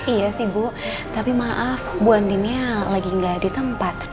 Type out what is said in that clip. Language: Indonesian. iya sih bu tapi maaf bu andina lagi nggak di tempat